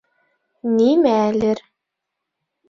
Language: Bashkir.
Нимәлер